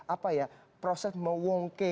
apa ya proses mewongke